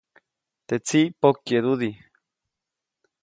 Teʼ tsiʼ pokyeʼdudi.